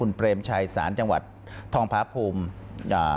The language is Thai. คุณเปรมชัยสารจังหวัดทองภาพภูมิ